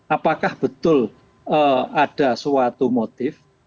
apakah betul ada suatu motif